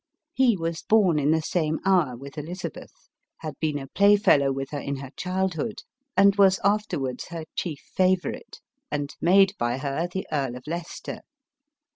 He was born in the same hour with Elizabeth, had been a playfellow with her in her childhood, and was after wards her chief favorite, and made by her the Earl of Leicester.